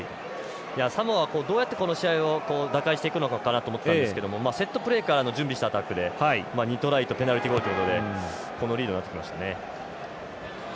サモアは、どうやってこの試合を打開していくのかなと思ったんですけどセットプレーからの準備したアタックで２トライとペナルティゴールということでこのリードになってきましたね。